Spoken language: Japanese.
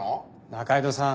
仲井戸さん。